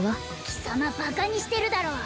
貴様バカにしてるだろう